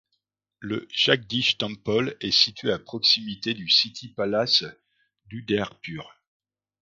Le Jagdish Temple est situé à proximité du City Palace d’Udaipur.